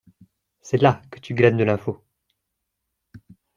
C’est là que tu glanes de l’info.